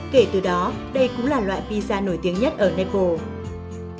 kể từ đó đây cũng là loại pizza nổi tiếng nhất ở napoli